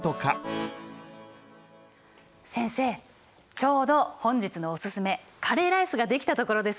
ちょうど本日のオススメカレーライスが出来たところです。